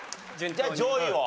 じゃあ上位を。